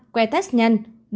ba que test nhanh